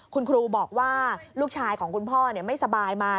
คุณครูบอกว่าลูกชายของคุณพ่อไม่สบายมา